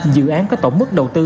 dự án có tổng mức đầu tư